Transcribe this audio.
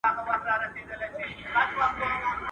يو څه ژرنده پڅه وه، يو څه غنم لانده وه.